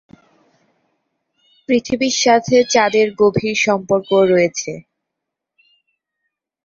পৃথিবীর সাথে চাঁদের গভীর সম্পর্ক রয়েছে।